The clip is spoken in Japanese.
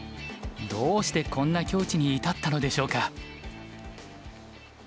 どうしてこんな境地に至ったのでしょうか？